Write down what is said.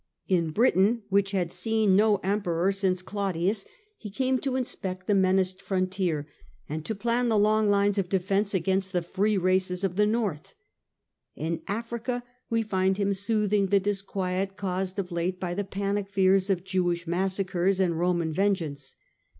In Britain, which had seen no emperor since Claudius, 7540 117 > 38 55 he came to inspect tne menaced frontier, ana to plan the long lines of defence against the free , races of the north. In Africa we find him him in soothing the disquiet caused of late by the panic fears of Jewish massacres and Roman vengeance.